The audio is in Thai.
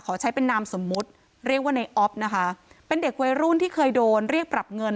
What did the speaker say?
ขอใช้เป็นนามสมมุติเรียกว่าในออฟนะคะเป็นเด็กวัยรุ่นที่เคยโดนเรียกปรับเงิน